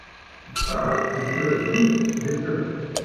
Ah! j’ai juré, oui ! j’ai juré !